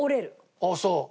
あっそう！